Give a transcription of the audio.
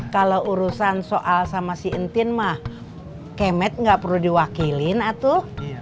kalau urusan soal sama si entin mah kemet nggak perlu diwakilin atuh